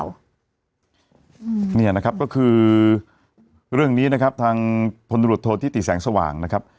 เนี่ยนะครับก็คือเรื่องนี้นะครับทางพลตรวจโทษธิติแสงสว่างนะครับ